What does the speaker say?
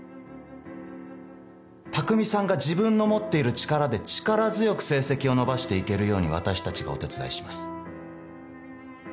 匠さんが自分の持っている力で力強く成績を伸ばして行けるように私たちがお手伝いします。